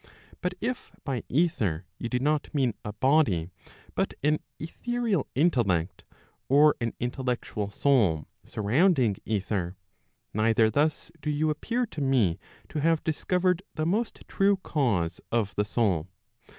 But if by ether you do not mean a body, but an etherial intellect, or an intellectual soul surrounding ether, neither thus do you appear to me to have discovered the most true cause of the soul.